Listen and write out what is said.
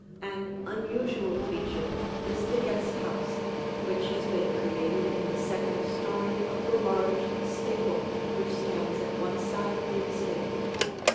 An unusual feature is the guest house, which has been created in the second story of the large stable which stands at one side of the estate.